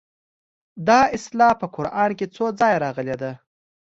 دا اصطلاح په قران کې څو ځایه راغلې ده.